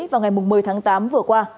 vào ngày một mươi tháng tám vừa qua